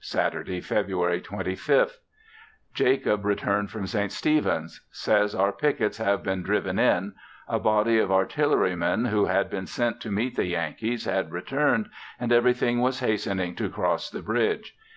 Saturday, February 25th. Jacob returned from St. Stephens; says our pickets have been driven in; a body of artillerymen who had been sent to meet the Yankees had returned and everything was hastening to cross the bridge.